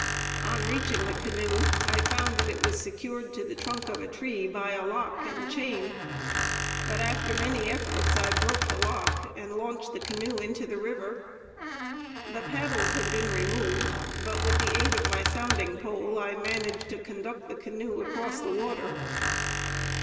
On reaching the canoe, I found that it was secured to the trunk of a tree by a lock and chain; but after many efforts, I broke the lock and launched the canoe into the river. The paddles had been removed, but with the aid of my sounding pole, I managed to conduct the canoe across the water.